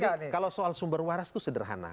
jadi kalau soal sumber waras itu sederhana